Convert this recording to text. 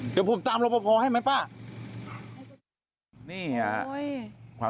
เดี๋ยวผมตามรถประโภท์ให้ไหมป้า